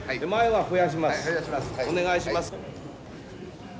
お願いします。